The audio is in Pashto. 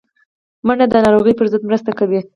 منډه د ناروغیو پر ضد مرسته کوي